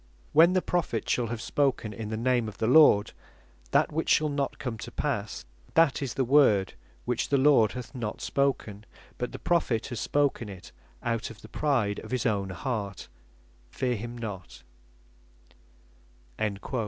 When the Prophet shall have spoken in the name of the Lord, that which shall not come to passe, that's the word which the Lord hath not spoken, but the Prophet has spoken it out of the pride of his own heart, fear him not."